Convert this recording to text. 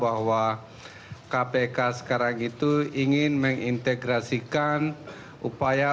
bahwa kpk sekarang itu ingin mengintegrasikan upaya bahwa kpk sekarang itu ingin mengintegrasikan upaya